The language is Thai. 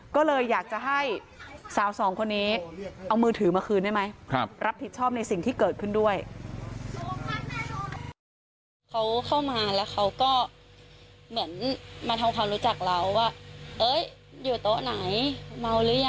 ก็เลยอยากจะให้สาวสองคนนี้เอามือถือมาคืนได้ไหม